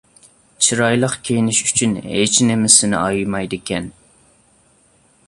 چىرايلىق كىيىنىش ئۈچۈن ھېچنېمىسىنى ئايىمايدىكەن.